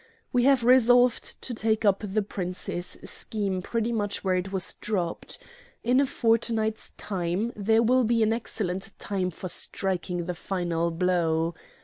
We have resolved to take up the Prince's scheme pretty much where it was dropped. In a fortnight's time there will be an excellent time for striking the final blow.